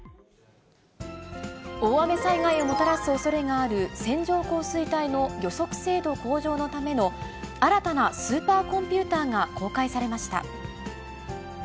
大雨災害をもたらすおそれがある線状降水帯の予測精度向上のための、新たなスーパーコンピューターが公開されました。